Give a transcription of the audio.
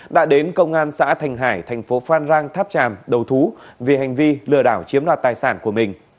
đã đến công an xã thành hải thành phố phan rang tháp tràm đầu thú vì hành vi lừa đảo chiếm đoạt tài sản của mình